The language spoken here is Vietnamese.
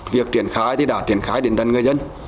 việc triển khai thì đã triển khai đến tần người dân